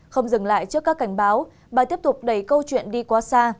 không dừng lại trước các cảnh báo bài tiếp tục đẩy câu chuyện đi quá xa